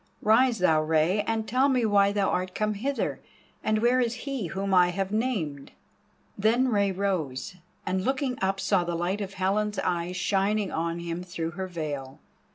Rise thou, Rei, and tell me why thou art come hither, and where is he whom I have named?" Then Rei rose, and looking up saw the light of the Helen's eyes shining on him through her veil.